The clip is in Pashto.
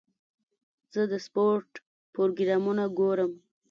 زه د سپورټ پروګرامونه ګورم.